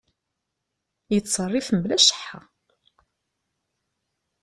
Yettserrif mebla cceḥḥa.